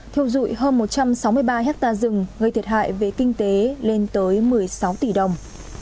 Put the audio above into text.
thiêu dụi hơn một trăm sáu mươi ba hectare rừng gây thiệt hại về kinh tế lên tới một mươi sáu tỷ đồng